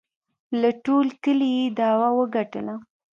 له ټول کلي یې دعوه وگټله